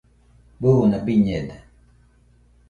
buna biñede